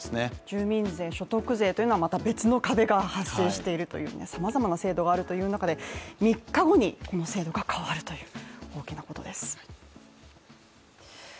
住民税、所得税というのはまた別の壁が発生しているというさまざまな制度があるという中で３日後に制度が変わるということです。